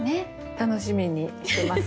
楽しみにしてます。